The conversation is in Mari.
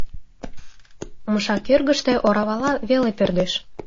Умша кӧргыштӧ оравала веле пӧрдеш.